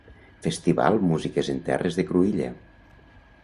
Festival Músiques en Terres de Cruïlla.